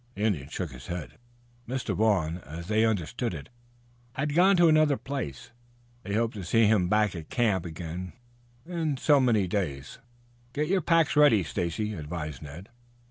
The Indian shook his head. Mr. Vaughn, as they understood it, had gone to another place. They hoped to see him back at the camp again ere many days had passed. "Get your packs ready, Stacy," advised Ned.